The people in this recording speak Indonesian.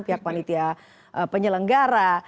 pihak panitia penyelenggara